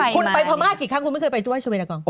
คุณไปพม่ากี่ครั้งคุณไม่เคยไปด้วยชาเวดากอง